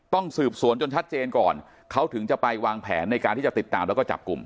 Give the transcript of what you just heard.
ต้องสืบสวนจนชัดเจนก่อนเขาถึงจะไปวางแผนในการที่จะติดตามแล้วก็จับกลุ่ม